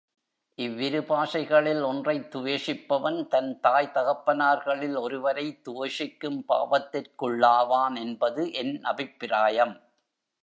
இவ்விரு பாஷைகளில் ஒன்றைத் துவேஷிப்பவன், தன் தாய் தகப்பனார்களில் ஒருவரைத் துவேஷிக்கும் பாவத்திற்குள்ளாவான் என்பது என் அபிப்பிராயம்.